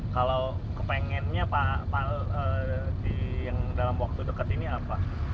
kalau kepengennya pak pal yang dalam waktu dekat ini apa